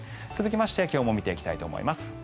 続きまして気温も見ていきたいと思います。